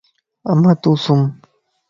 امان تون سم